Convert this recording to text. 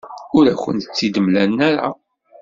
Ur akent-tt-id-mlan ara.